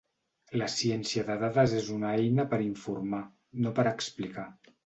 La ciència de dades és una eina per informar, no per explicar.